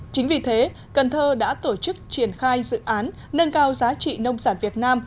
chính vì thế cần thơ đã tổ chức triển khai dự án nâng cao giá trị nông sản việt nam